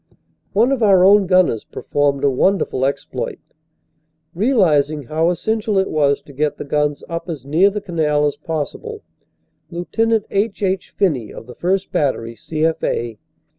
One of our own gunners performed a wonderful exploit. Realizing how essential it was to get the guns up as near the canal as possible, Lt. H. H. Phinney of the 1st. Battery, C.F. A.